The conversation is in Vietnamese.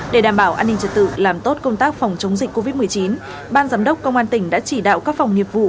để đảm bảo an ninh trật tự làm tốt công tác phòng chống dịch covid một mươi chín ban giám đốc công an tỉnh đã chỉ đạo các phòng nghiệp vụ